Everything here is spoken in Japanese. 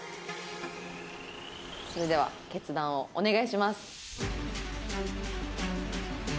それでは決断をお願いします。